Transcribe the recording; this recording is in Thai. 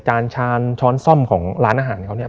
จานชานช้อนซ่อมของร้านอาหารเขา